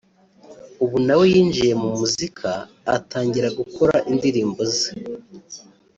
ubu nawe yinjiye muri muzika atangira gukora indirimbo ze